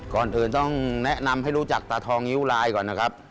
ก่อนอื่นต้องแนะนำให้รู้จักตาทองนิ้วลายก่อนนะครับ